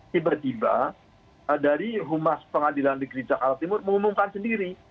tiba tiba dari humas pengadilan negeri jakarta timur mengumumkan sendiri